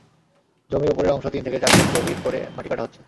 জমির ওপরের অংশ তিন থেকে চার ফুট গভীর করে মাটি কাটা হচ্ছে।